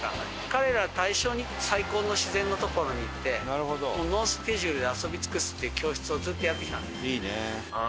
彼らを対象に最高の自然の所に行ってノースケジュールで遊び尽くすっていう教室をずっとやってきたんで。